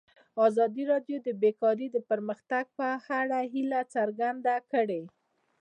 ازادي راډیو د بیکاري د پرمختګ په اړه هیله څرګنده کړې.